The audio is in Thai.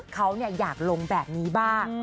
เขาอยากลงแบบนี้บ้าง